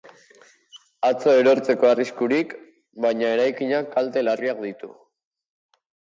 Atzo erortzeko arriskurik, baina eraikinak kalte larriak ditu.